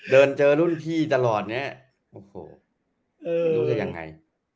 เดินเจอรุ่นพี่ตลอดนี้รู้จักยังไง